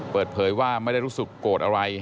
เปิดเผยว่าไม่ได้รู้สึกโกรธอะไร